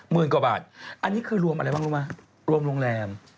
กว่าบาทอันนี้คือรวมอะไรบ้างรู้ไหมรวมโรงแรม